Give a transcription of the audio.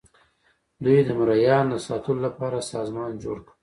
دوی د مرئیانو د ساتلو لپاره سازمان جوړ کړ.